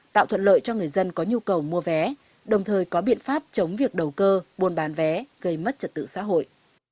tạo thuận lợi cho người dân có nhu cầu mua vé đồng thời có biện pháp chống việc đầu cơ buôn bán vé gây mất trật tự xã hội